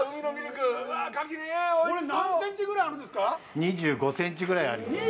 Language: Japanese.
２５ｃｍぐらいあります。